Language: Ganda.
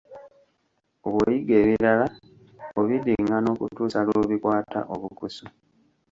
Bw'oyiga ebirala, obiddingana okutuusa lw'obikwata obukusu.